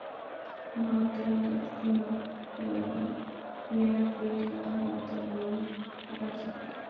ما ورته وویل: سیمه، وايي یار د یار لپاره د غوايي غوښې خوري.